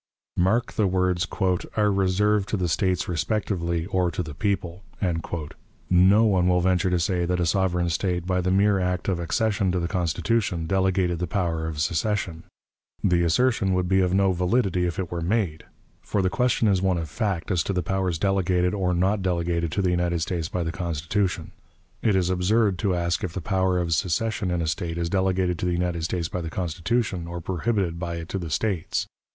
Mark the words, "are reserved to the States respectively, or to the people." No one will venture to say that a sovereign State, by the mere act of accession to the Constitution, delegated the power of secession. The assertion would be of no validity if it were made; for the question is one of fact as to the powers delegated or not delegated to the United States by the Constitution. It is absurd to ask if the power of secession in a State is delegated to the United States by the Constitution, or prohibited by it to the States.